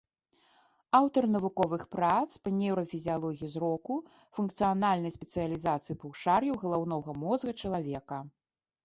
Аўтар навуковых прац па нейрафізіялогіі зроку, функцыянальнай спецыялізацыі паўшар'яў галаўнога мозга чалавека.